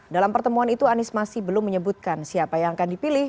dalam pertemuan itu anies masih belum menyebutkan siapa yang akan dipilih